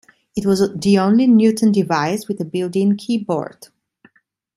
It was the only Newton Device with a built-in keyboard.